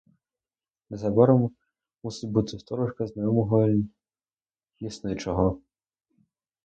Незабаром мусить бути сторожка знайомого лісничого.